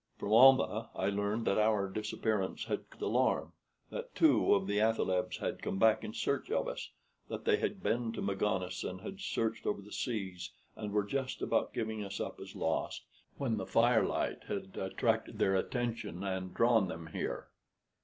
From Almah I learned that our disappearance had caused alarm; that two of the athalebs had come back in search of us; that they had been to Magones, and had searched over the seas, and were just about giving us up as lost, when the fire light had attracted their attention and drawn them here.